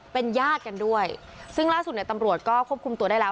เป็นญาติกันด้วยซึ่งล่าสุดเนี่ยตำรวจก็ควบคุมตัวได้แล้ว